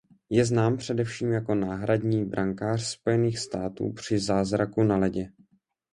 Je znám především jako náhradní brankář Spojených států při Zázraku na ledě.